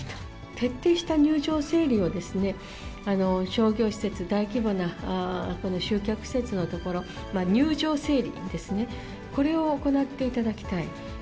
徹底した入場整理を商業施設、大規模な集客施設のところ、入場整理ですね、これを行っていただきたい。